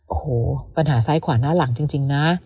โอ้โหปัญหาซ้ายขวาหน้าหลังจริงนะ